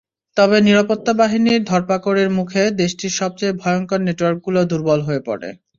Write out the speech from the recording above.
তবে নিরাপত্তা বাহিনীর ধরপাকড়ের মুখে দেশটির সবচেয়ে ভয়ংকর নেটওয়ার্কগুলো দুর্বল হয়ে পড়ে।